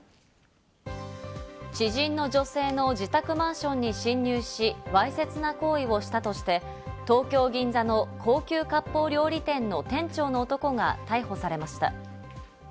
知人の女性の自宅マンションに侵入し、わいせつな行為をしたとして、東京・銀座の高級かっぽう料理店の店長の男が逮捕されました。